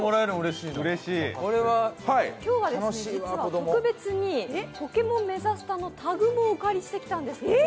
今日は実は特別に「ポケモンメザスタ」のタグもこちらでお借りしてきたんです。